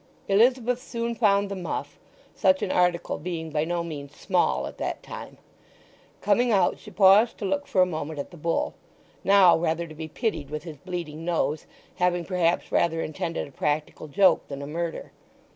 Elizabeth soon found the muff, such an article being by no means small at that time. Coming out she paused to look for a moment at the bull, now rather to be pitied with his bleeding nose, having perhaps rather intended a practical joke than a murder.